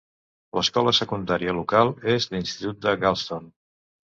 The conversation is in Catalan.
L'escola secundària local és l'institut de Galston.